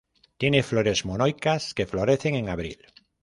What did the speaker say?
Tiene flores monoicas que florecen en abril.